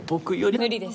無理です。